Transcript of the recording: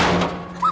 あっ！